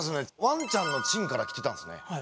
ワンちゃんの狆からきてたんすね。